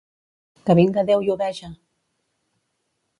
Que vinga Déu i ho veja!